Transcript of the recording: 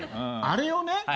あれをね